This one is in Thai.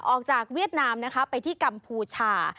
ออกจากเวียดนามนะคะไปที่กัมภูชา